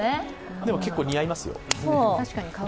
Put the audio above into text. でも結構似合いますよ。